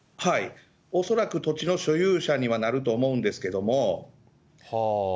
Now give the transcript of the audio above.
恐らく土地の所有者にはなると思うんですけれども。